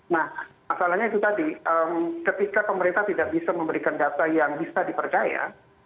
nah masalahnya itu tadi ketika pemerintah tidak bisa memberikan data yang bisa dipercaya